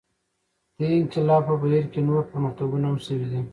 دې انقلاب په بهیر کې نور پرمختګونه هم شوي دي.